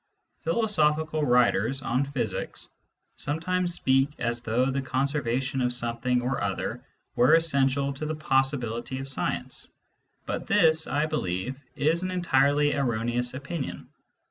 Philosophical writers on physics sometimes speak as though the conservation of something or other were essential to the possibility of science, but this, I believe, is an entirely erroneous opinion.